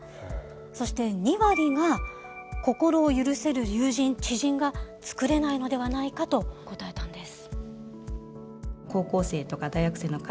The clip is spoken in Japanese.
そして２割が心を許せる友人・知人が作れないのではないかと答えたんです。